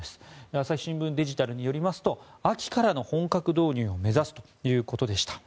朝日新聞デジタルによりますと秋からの本格導入を目指すということでした。